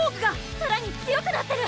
さらに強くなってる！